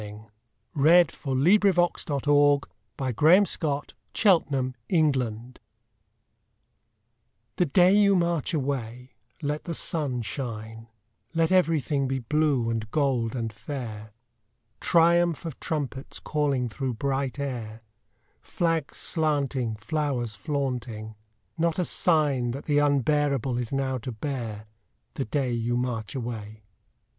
ANY WOMAN TO A SOLDIER GRACE ELLERY CHANNING [Sidenote: 1917, 1918] The day you march away let the sun shine, Let everything be blue and gold and fair, Triumph of trumpets calling through bright air, Flags slanting, flowers flaunting not a sign That the unbearable is now to bear, The day you march away.